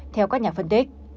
theo các nhà phân tích